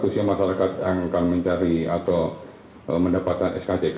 usia masyarakat yang akan mencari atau mendapatkan skck